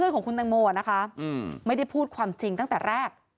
ของคุณตังโมนะคะไม่ได้พูดความจริงตั้งแต่แรก